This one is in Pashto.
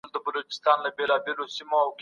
عمومي نړيوال حقوق د دولتونو دندي ټاکي.